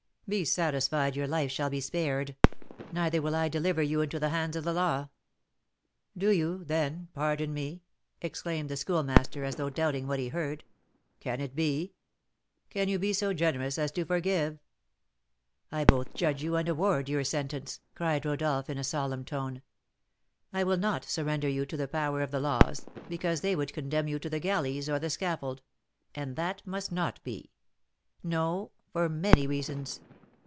"Be satisfied, your life shall be spared; neither will I deliver you into the hands of the law." "Do you, then, pardon me?" exclaimed the Schoolmaster, as though doubting what he heard. "Can it be? Can you be so generous as to forgive?" "I both judge you and award your sentence," cried Rodolph, in a solemn tone. "I will not surrender you to the power of the laws, because they would condemn you to the galleys or the scaffold; and that must not be. No, for many reasons.